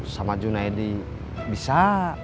sama junaedi bisa